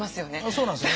そうなんですよ